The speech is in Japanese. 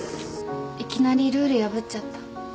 いきなりルール破っちゃった。